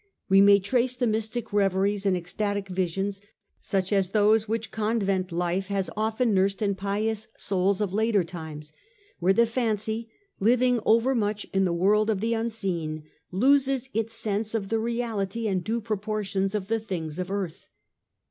We may trace the mystic reveries and ecstatic visions such as those which convent life h is often nursed in pious souls of later times, where the fancy, living overmuch in the world of the unseen, loses its sense of the reality and due proportions of the things of earth.